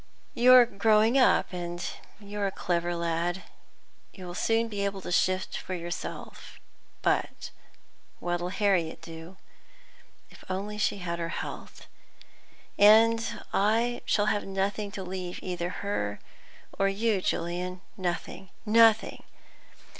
You're growing up, and you're a clever lad; you'll soon be able to shift for yourself. But what'll Harriet do? If only she had her health. And I shall have nothing to leave either her or you, Julian, nothing, nothing!